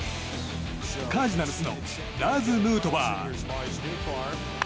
カージナルスのラーズ・ヌートバー。